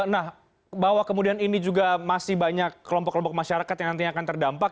nah bahwa kemudian ini juga masih banyak kelompok kelompok masyarakat yang nantinya akan terdampak